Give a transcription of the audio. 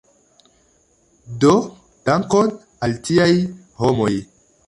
Do, dankon al tiaj homoj!